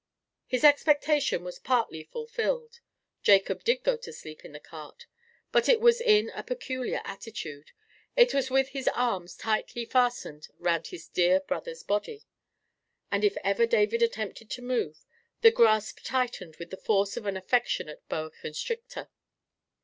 His expectation was partly fulfilled: Jacob did go to sleep in the cart, but it was in a peculiar attitude—it was with his arms tightly fastened round his dear brother's body; and if ever David attempted to move, the grasp tightened with the force of an affectionate boa constrictor.